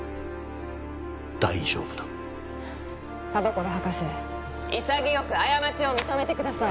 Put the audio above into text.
大丈夫だ田所博士いさぎよく過ちを認めてください